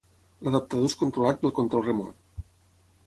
L'adaptador és controlat pel control remot.